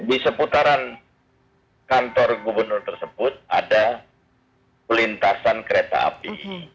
di seputaran kantor gubernur tersebut ada lintasan kereta api